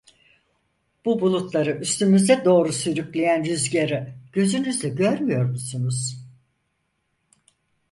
Bu bulutları üstümüze doğru sürükleyen rüzgârı gözünüzle görmüyor musunuz?